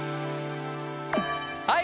はい！